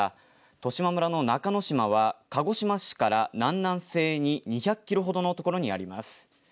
十島村の中之島は鹿児島市から南南西に２００キロほどのところにあります。